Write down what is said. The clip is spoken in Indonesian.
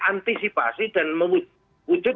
antisipasi dan mewujud